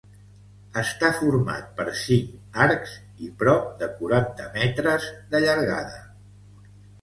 Està format per cinc arcs i prop de quaranta metres de llargada.